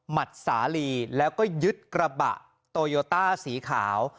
สาลีแล้วก็ยึดกระบะโตโยต้าสีขาว